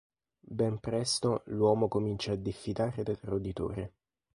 Ben presto l'uomo comincia a diffidare del roditore.